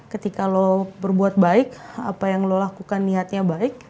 ketika lo berbuat baik apa yang lo lakukan niatnya baik